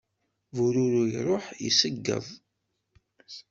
Bururu iruḥ, iṣegged.